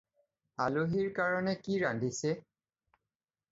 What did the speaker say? আলহীৰ কাৰণে কি ৰান্ধিছে?